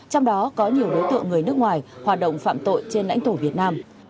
trong đó có nhiều đối tượng người nước ngoài hoạt động phạm tội trên lãnh thổ việt nam